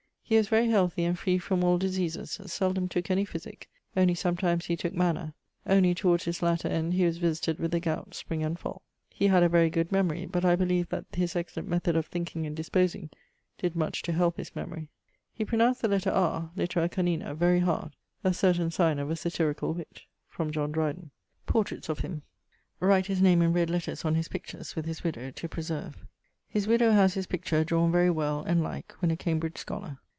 He was very healthy and free from all diseases: seldome tooke any physique (only sometimes he tooke manna): only towards his latter end he was visited with the gowte, spring and fall. He had a very good memorie; but I beleeve that his excellent method of thinking and disposing did much to helpe his memorie. He pronounced the letter R (littera canina) very hard a certaine signe of a satyricall witt from John Dreyden. <_Portraits of him._> Write his name in red letters on his pictures, with his widowe, to preserve. His widowe haz his picture, drawne very well and like, when a Cambridge schollar.